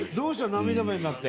涙目になって。